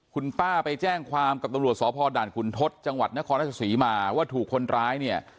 คุณป้าไปแจ้งความกับตำรวจสพด่านขุนทศจังหวัดนครราชศรีมาว่าถูกคนร้ายเนี่ย